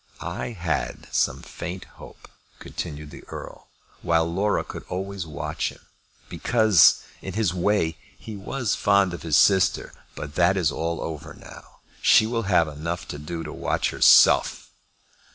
"I had some faint hope," continued the Earl, "while Laura could always watch him; because, in his way, he was fond of his sister. But that is all over now. She will have enough to do to watch herself!"